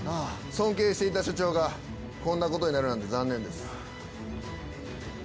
尊敬していた署長がこんなことになるなんて残念です。